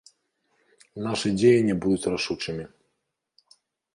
Нашы дзеянні будуць рашучымі.